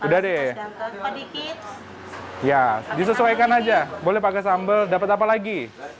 oke dapat sedikit ya disesuaikan aja boleh pakai sambal dapat apa lagi